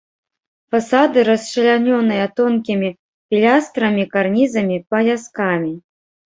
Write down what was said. Фасады расчлянёныя тонкімі пілястрамі, карнізамі, паяскамі.